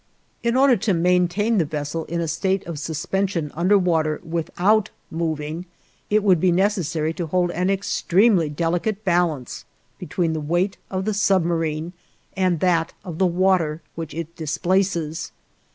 In order to maintain the vessel in a state of suspension under water without moving, it would be necessary to hold an extremely delicate balance between the weight of the submarine and that of the water which it displaces.